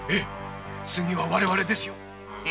次は我々ですよ！